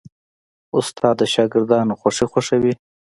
استاد د شاګردانو خوښي خوښوي.